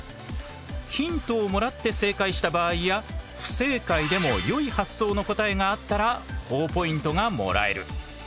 ヒントをもらって正解した場合や不正解でも良い発想の答えがあったらほぉポイントがもらえる。